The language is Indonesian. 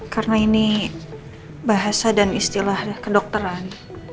karena ini bahasa dan istilah kedokteran